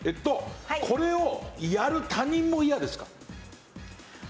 これをやる他人も嫌ですか？